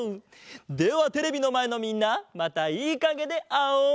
ではテレビのまえのみんなまたいいかげであおう。